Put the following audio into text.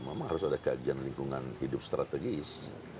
memang harus ada kajian lingkungan hidup strategis